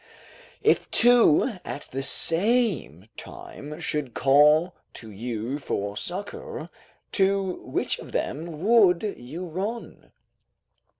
If two at the same time should call to you for succour, to which of them would you run?